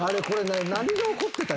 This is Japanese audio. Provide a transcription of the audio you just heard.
何が起こってたん？